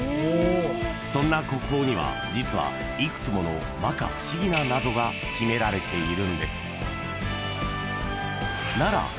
［そんな国宝には実は幾つものまか不思議な謎が秘められているんです］